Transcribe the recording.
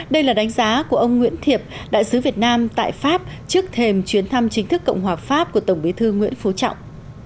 đây là đánh giá của ông nguyễn thiệp đại sứ việt nam tại pháp trước thềm chuyến thăm chính thức cộng hòa pháp của tổng bí thư nguyễn phú trọng